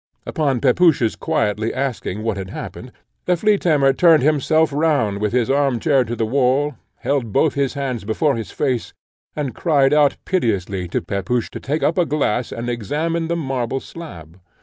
Upon Pepusch's quietly asking what had happened, the flea tamer turned himself round with his arm chair to the wall, held both his hands before his face, and cried out piteously to Pepusch to take up a glass and examine the marble slab.